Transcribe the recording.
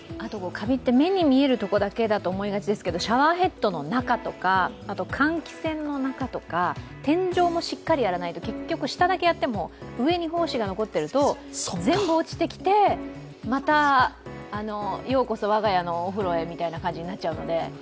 カビって目に見えるところだけだと思いがちですけど、シャワーヘッドの中とか換気扇の中とか、天井もしっかりやらないと、結局しただけやっても上に胞子が残ってると全部落ちてきて、また、ようこそ我が家のお風呂へみたいな感じになっちゃうので。